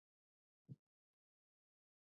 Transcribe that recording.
آیا په ژمي کې د ساندلۍ یا کرسۍ کارول دود نه دی؟